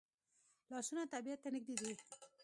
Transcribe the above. لاسونه طبیعت ته نږدې دي